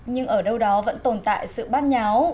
nhưng ở đâu đó vẫn tồn tại sự bát nháo